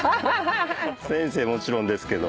先生もちろんですけど。